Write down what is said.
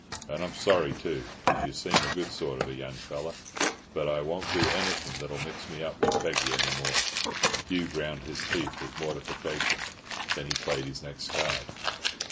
And I'm sorry too, 'cause you seem a good sort of a young feller—but I won't do anything that'll mix me up with Peggy any more." Hugh ground his teeth with mortification. Then he played his next card.